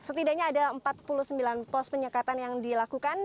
setidaknya ada empat puluh sembilan pos penyekatan yang dilakukan